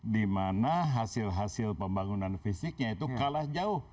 dimana hasil hasil pembangunan fisiknya itu kalah jauh